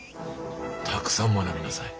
たくさん学びなさい。